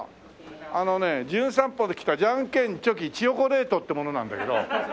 あのね『じゅん散歩』で来たジャンケンチョキチヨコレートって者なんだけど。